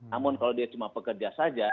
namun kalau dia cuma pekerja saja